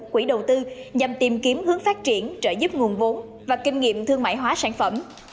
quỹ đầu tư nhằm tìm kiếm hướng phát triển trợ giúp nguồn vốn và kinh nghiệm thương mại hóa sản phẩm